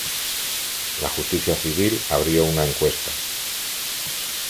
La justicia civil abrió una encuesta.